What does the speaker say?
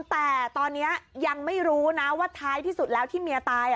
แต่ตอนนี้ยังไม่รู้นะว่าท้ายที่สุดแล้วที่เมียตาย